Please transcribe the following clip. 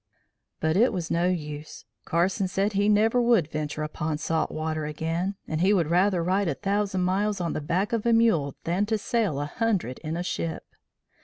But it was no use: Carson said he never would venture upon salt water again, and he would rather ride a thousand miles on the back of a mule than to sail a hundred in a ship.